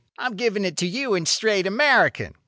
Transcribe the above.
"I'm giving it to you in straight American.